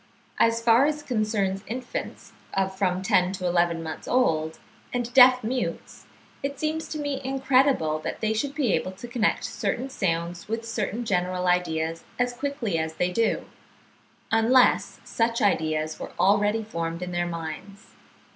As far as concerns infants of from ten to eleven months old, and deaf mutes, it seems to me incredible, that they should be able to connect certain sounds with certain general ideas as quickly as they do, unless such ideas were already formed in their minds.